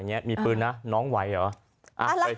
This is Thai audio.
พี่มีปืนน้องไหวหรอ